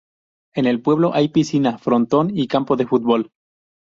En el pueblo hay piscina, frontón y campo de fútbol.